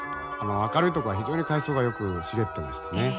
明るいとこは非常に海草がよく茂ってましてね。